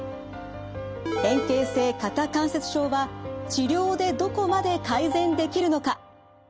変形性肩関節症は治療でどこまで改善できるのか？